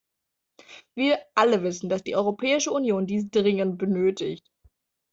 Wir alle wissen, dass die Europäische Union dies dringend benötigt.